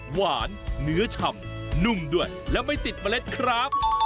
หวานเนื้อฉ่ำนุ่มด้วยและไม่ติดเมล็ดครับ